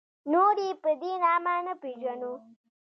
نور یې په دې نامه نه پېژنو.